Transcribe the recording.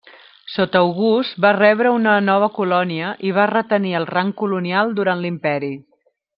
Sota August va rebre una nova colònia i va retenir el rang colonial durant l'imperi.